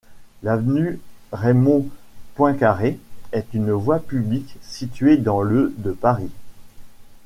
L'avenue Raymond-Poincaré est une voie publique située dans le de Paris.